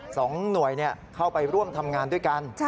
สองหน่วยเข้าไปร่วมทำงานด้วยกัน